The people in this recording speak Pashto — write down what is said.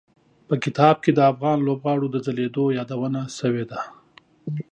په کتاب کې د افغان لوبغاړو د ځلېدو یادونه شوي ده.